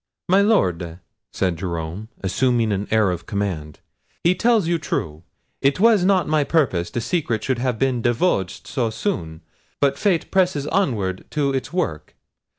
"My Lord," said Jerome, assuming an air of command, "he tells you true. It was not my purpose the secret should have been divulged so soon, but fate presses onward to its work.